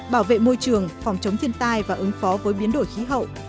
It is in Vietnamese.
bảo vệ môi trường phòng chống thiên tai và ứng phó với biến đổi khí hậu